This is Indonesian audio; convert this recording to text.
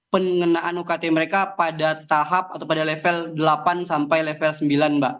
pengenaan ukt mereka pada tahap atau pada level delapan sampai level sembilan mbak